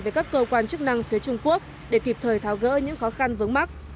với các cơ quan chức năng phía trung quốc để kịp thời tháo gỡ những khó khăn vớng mắc